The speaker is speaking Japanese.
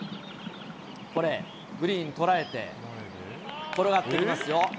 これ、グリーンとらえて、転がっていきますよ。